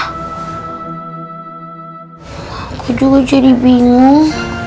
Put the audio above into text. aku juga jadi bingung